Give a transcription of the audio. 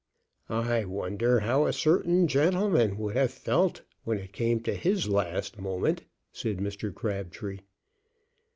"I wonder how a certain gentleman would have felt when it came to his last moment," said Mr. Crabtree.